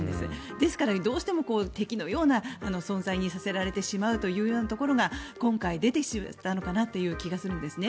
ですから、どうしても敵のような存在にさせられてしまうというところが今回出てしまったのかなという気がするんですね。